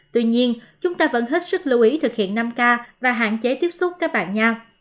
tuy nhiên chúng ta vẫn hết sức lưu ý thực hiện năm k và hạn chế tiếp xúc các bạn nhang